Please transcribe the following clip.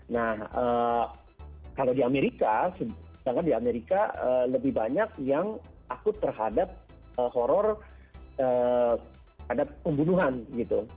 nah kalau di amerika sedangkan di amerika lebih banyak yang takut terhadap horror terhadap pembunuhan gitu